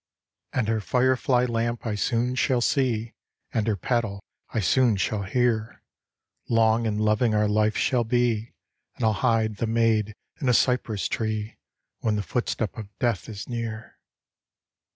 And her firefly lamp I soon shall see, And her paddle I soon shall hear; Long and loving our life shall be. And I'll hide the maid in a cypress tree, When the footstep of death is near!"